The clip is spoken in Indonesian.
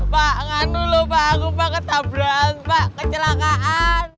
pak enggak dulu pak aku banget tabrak pak kecelakaan